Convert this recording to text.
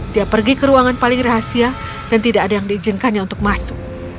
dia pergi ke ruangan paling rahasia dan tidak ada yang diizinkannya untuk masuk